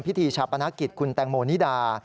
พิธีชาปนกิจคุณแตงโมนิดา